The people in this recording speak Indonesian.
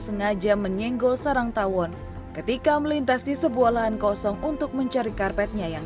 sengaja menyenggol sarang tawon ketika melintasi sebuah lahan kosong untuk mencari karpetnya yang